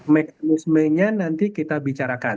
mekanismenya nanti kita bicarakan